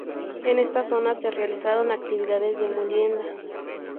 En esta zona se realizaron actividades de molienda.